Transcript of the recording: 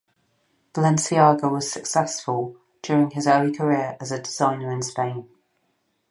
Balenciaga was successful during his early career as a designer in Spain.